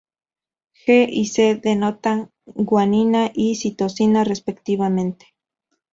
G y C denotan guanina y citosina, respectivamente.